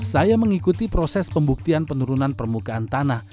saya mengikuti proses pembuktian penurunan permukaan tanah